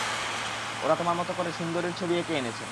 ওরা তোমার মতো করে সুন্দরীর ছবি এঁকে এনেছে।